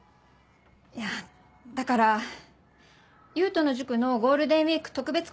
いやだから勇人の塾のゴールデンウィーク特別講習。